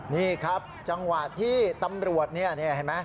นี่ครับจังหวะที่ตำรวจนี่เห็นไหม